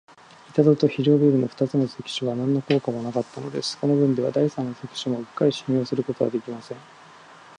板戸と非常ベルの二つの関所は、なんの効果もなかったのです。このぶんでは、第三の関所もうっかり信用することはできません。